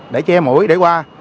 để che mũi để qua